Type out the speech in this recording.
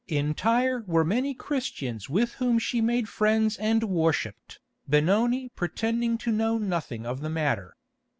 In Tyre were many Christians with whom she made friends and worshipped, Benoni pretending to know nothing of the matter.